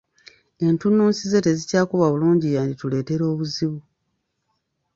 Entunnunsi ze tezikyakuba bulungi yandituleetera obuzibu.